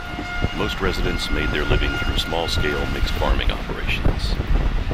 Most residents made their living through small-scale mixed farming operations.